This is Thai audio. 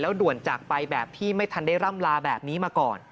ด่วนจากไปแบบที่ไม่ทันได้ร่ำลาแบบนี้มาก่อน